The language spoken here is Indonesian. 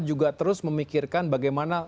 juga terus memikirkan bagaimana